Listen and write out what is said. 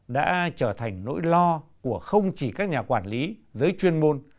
đã trở thành nỗi lo của không chỉ các nhà quản lý giới chuyên môn